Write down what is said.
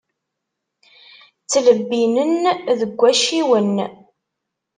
Ttlebbinen deg wacciwen.